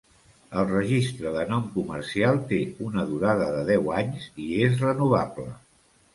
El registre de nom comercial té una durada de deu anys i és renovable.